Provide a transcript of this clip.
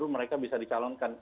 mereka bisa dicalonkan